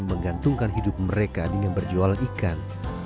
menggantungkan hidup mereka dengan berjualan ikan